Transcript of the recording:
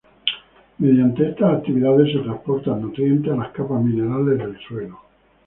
Mediante estas actividades se transportan nutrientes a las capas minerales del suelo.